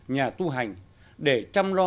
nhà tu hành để chăm lo